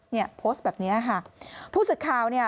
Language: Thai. เนี่ยโพสต์แบบเนี้ยค่ะผู้สึกข่าวเนี่ย